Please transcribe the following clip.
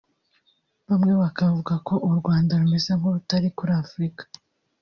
bamwe bakavuga ko u Rwanda rumeze nk’urutari kuri Afurika